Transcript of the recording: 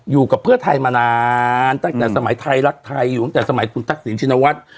อยู่กับเพื่อไทยมานานตั้งแต่สมัยไทยรักไทยอยู่ตั้งแต่สมัยคุณทักษิณชินวัฒน์